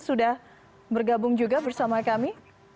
sudah bergabung juga bersama kami